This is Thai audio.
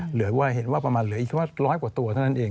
เหลือเห็นว่าประมาณเหลืออีกว่าร้อยกว่าตัวเท่านั้นเอง